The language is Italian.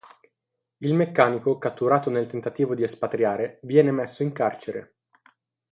Il meccanico, catturato nel tentativo di espatriare, viene messo in carcere.